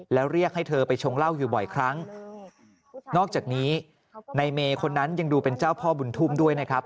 แล้วเรียกให้เธอไปชงเหล้าอยู่บ่อยครั้งนอกจากนี้ในเมย์คนนั้นยังดูเป็นเจ้าพ่อบุญทุ่มด้วยนะครับ